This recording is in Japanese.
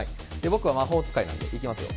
僕は魔法使いなんでいきますよ。